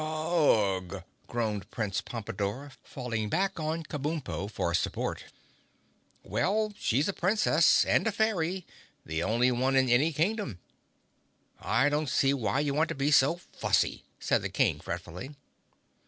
"Ugh!" groaned Prince Pompadore, falling back on Kabumpo for support. "Well, she's a Princess and a fairy—the only one in any Kingdom. I don't see why you want to be so fussy!" said the King fretfully.